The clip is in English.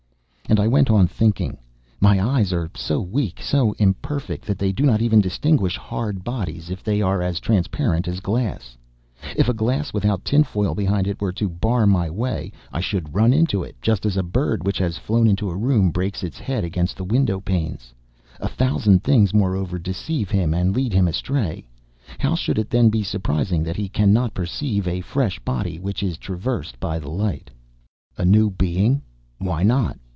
And I went on thinking: my eyes are so weak, so imperfect, that they do not even distinguish hard bodies, if they are as transparent as glass!... If a glass without tinfoil behind it were to bar my way, I should run into it, just as a bird which has flown into a room breaks its head against the window panes. A thousand things, moreover, deceive him and lead him astray. How should it then be surprising that he cannot perceive a fresh body which is traversed by the light? A new being! Why not?